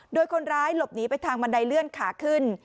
โดยคนร้ายหลบหนีไปทางบันไดเลื่อนขาขึ้น